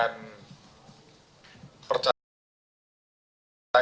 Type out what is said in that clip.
dan kami mohon kepada seluruh masyarakat juga